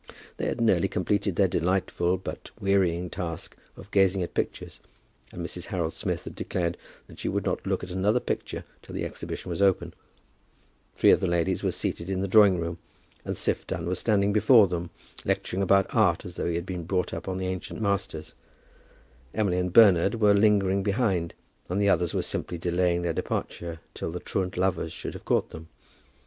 They had nearly completed their delightful but wearying task of gazing at pictures, and Mrs. Harold Smith had declared that she would not look at another painting till the exhibition was open; three of the ladies were seated in the drawing room, and Siph Dunn was standing before them, lecturing about art as though he had been brought up on the ancient masters; Emily and Bernard were lingering behind, and the others were simply delaying their departure till the truant lovers should have caught them.